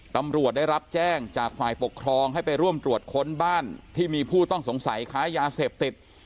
ตำรวจได้รับแจ้งจากฝ่ายปกครองให้ไปร่วมตรวจค้นบ้านที่มีผู้ต้องสงสัยค้ายาเสพติด